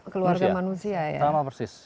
keluarga manusia ya sama persis